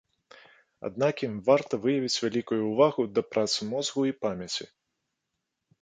Аднак ім варта выявіць вялікую ўвагу да працы мозгу і памяці.